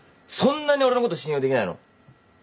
そんなに俺のこと信用できないの？